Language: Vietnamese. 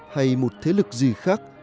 hay một thế lực gì khác